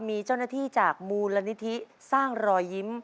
มีเจ้าหน้าที่จากมูลนิธิสร้างรอยยิ้ม